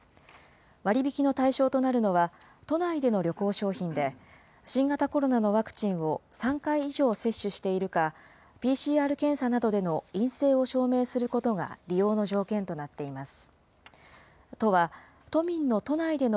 割引の対象となるのは、都内での旅行商品で、新型コロナのワクチンを３回以上接種しているか、ＰＣＲ検査などでの陰性を証明することが利用の条件となっています。